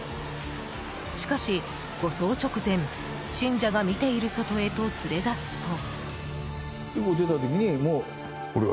しかし、護送直前信者が見ている外へと連れ出すと。